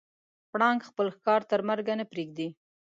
پړانګ خپل ښکار تر مرګه نه پرېږدي.